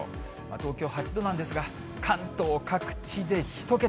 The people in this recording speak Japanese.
東京８度なんですが、関東各地で１桁。